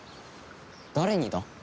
誰にだ？